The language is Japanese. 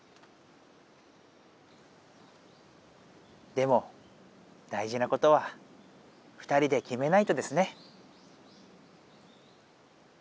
でも大じなことは２人できめないとですね。